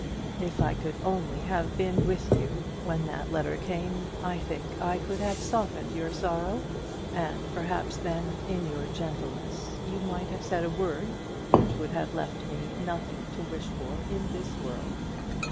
If I could only have been with you when that letter came I think I could have softened your sorrow, and perhaps then, in your gentleness, you might have said a word which would have left me nothing to wish for in this world.